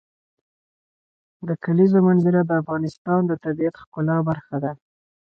د کلیزو منظره د افغانستان د طبیعت د ښکلا برخه ده.